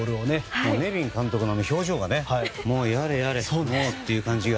ネビン監督の表情がやれやれ、もうって感じが。